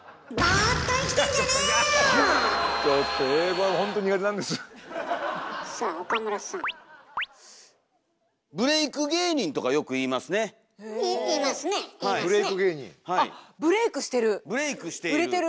あっブレイクしてる！